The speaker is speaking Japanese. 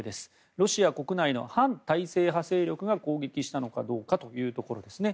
ロシア国内の反体制派勢力が攻撃したのかどうかというところですね。